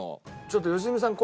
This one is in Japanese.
ちょっと良純さん